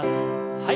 はい。